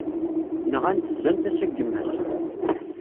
Nɣan-t zzan tasa n yemma-s.